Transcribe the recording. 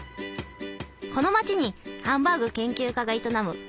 この街にハンバーグ研究家が営む